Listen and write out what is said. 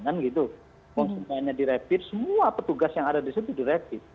kalau saksinya direpit semua petugas yang ada di situ direpit